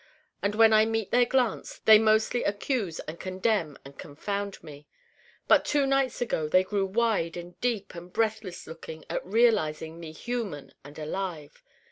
And when I meet their glance they mostly accuse and condemn and confound me. But two nights ago they grew wide and deep and breathless looking at realizing me human and alive.